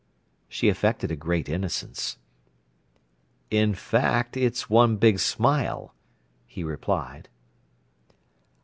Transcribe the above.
She affected a great innocence. "In fact, it's one big smile," he replied.